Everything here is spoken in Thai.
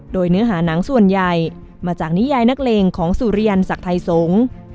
โดยเนื้อหาหนังส่วนใหญ่มาจากนิยายนักเลงของสุริยันศักดิ์ไทยสงฆ์